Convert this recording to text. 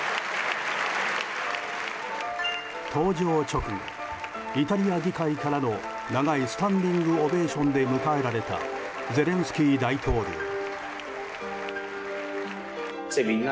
登場直後、イタリア議会からの長いスタンディンオベーションで迎えられたゼレンスキー大統領。